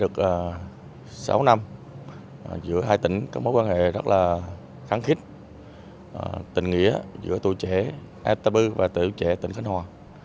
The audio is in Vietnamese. từ đến nay đã được sáu năm giữa hai tỉnh có mối quan hệ rất là kháng khích tình nghĩa giữa tuổi trẻ atta bư và tuổi trẻ tỉnh khánh hòa